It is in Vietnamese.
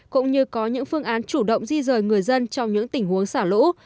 cũng như có những phương án chủ động di rời người dân trong những tình huống xả lũ